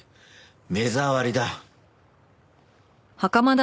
目障りだ。